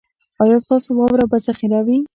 ایا ستاسو واوره به ذخیره وي؟